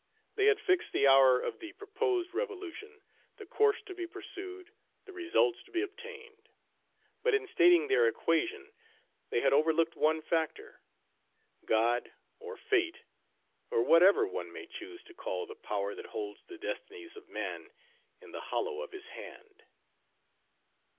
They had fixed the hour of the proposed revolution, the course to be pursued, the results to be obtained; but in stating their equation they had overlooked one factor, God, or Fate, or whatever one may choose to call the Power that holds the destinies of man in the hollow of his hand.